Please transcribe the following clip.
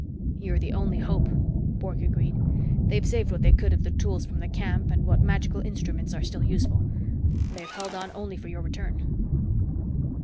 "You're the only hope," Bork agreed. "They've saved what they could of the tools from the camp and what magical instruments are still useful. They've held on only for your return."